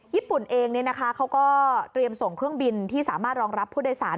ญี่ปุ่นเองเขาก็เตรียมส่งเครื่องบินที่สามารถรองรับผู้โดยสาร